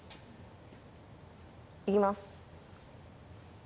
いきます。